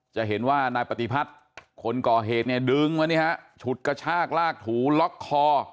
จะเห็นว่านายปฏิพัฒน์คนก่อเหตุเนี่ยดึงมานี่ฮะฉุดกระชากลากถูล็อกคอ